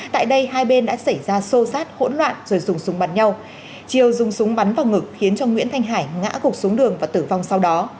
tại đây hai bên đã xảy ra xô xát hỗn loạn rồi dùng súng bắn nhau chiều dùng súng bắn vào ngực khiến cho nguyễn thanh hải ngã gục xuống đường và tử vong sau đó